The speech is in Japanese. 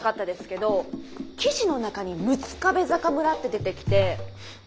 どォ記事の中に「六壁坂村」って出てきて。